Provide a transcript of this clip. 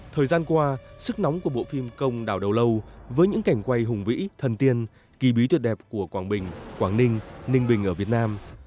thời gian qua sức nóng của bộ phim công đảo đầu lâu với những cảnh quay hùng vĩ thần tiên kỳ bí tuyệt đẹp của quảng bình quảng ninh ninh bình ở việt nam